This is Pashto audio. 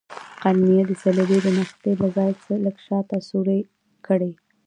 قرنیه د صلبیې د نښتې له ځای لږ شاته سورۍ کړئ.